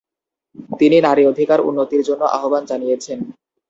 তিনি নারী অধিকার উন্নতির জন্য আহ্বান জানিয়েছেন।